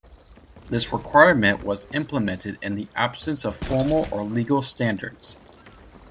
This requirement was implemented in the absence of formal or legal standards.